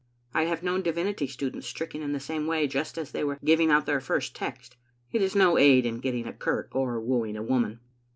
I have known divinity students stricken in the same way, just as they were giving out their first text. It is no aid in getting a kirk or wooing a woman.